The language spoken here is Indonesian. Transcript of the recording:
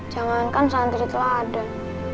jangankan santri teladan